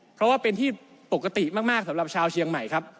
เพราะว่าเป็นที่ปกติมากสำหรับชาวเชียงใหม่ครับ